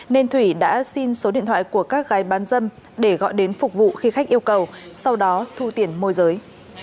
nên thủy đã xin số điện thoại của các gái bán dâm để gọi đến phục vụ khi khách yêu cầu sau đó thu tiền môi giới